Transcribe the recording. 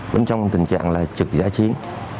bên trong tình trạng là trực giải chiến